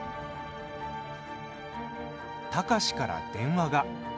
貴司から電話が。